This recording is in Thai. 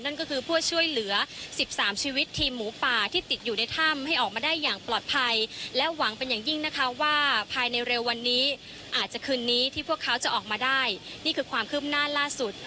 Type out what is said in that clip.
นั่นก็คือเพื่อช่วยเหลือ๑๓ชีวิตทีมหมูป่าที่ติดอยู่ในถ้ำให้ออกมาได้อย่างปลอดภัยและหวังเป็นอย่างยิ่งนะคะว่าภายในเร็ววันนี้อาจจะคืนนี้ที่พวกเขาจะออกมาได้นี่คือความคืบหน้าล่าสุด